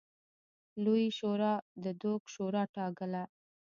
لویې شورا د دوک شورا ټاکله.